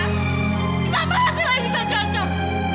tidak berarti lagi bisa cocok